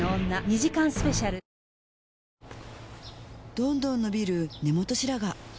どんどん伸びる根元白髪